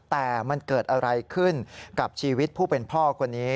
แต่มันเกิดอะไรขึ้นกับชีวิตผู้เป็นพ่อคนนี้